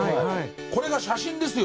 これが写真ですよ